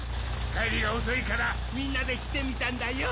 かえりがおそいからみんなできてみたんだよ。